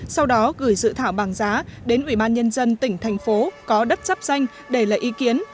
sau đó gửi dự thảo bảng giá đến ủy ban nhân dân tỉnh thành phố có đất dắp danh để lấy ý kiến